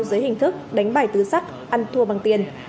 dưới hình thức đánh bài tứ sắc ăn thua bằng tiền